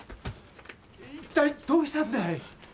一体どうしたんだい。